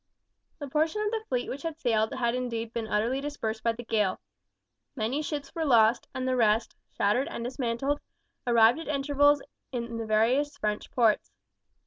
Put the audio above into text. The portion of the fleet which had sailed had indeed been utterly dispersed by the gale. Many ships were lost, and the rest, shattered and dismantled, arrived at intervals at the various French ports.